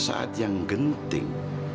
di saat yang genting